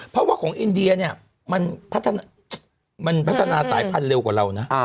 เพราะว่าของอินเดียเนี่ยมันพัฒนาสายพันธุ์เร็วกว่าเรานะ